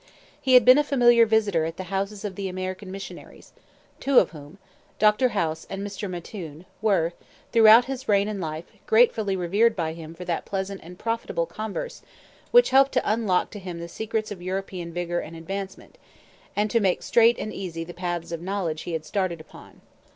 He had been a familiar visitor at the houses of the American missionaries, two of whom (Dr. House and Mr. Mattoon) were, throughout his reign and life, gratefully revered by him for that pleasant and profitable converse which helped to unlock to him the secrets of European vigor and advancement, and to make straight and easy the paths of knowledge he had started upon.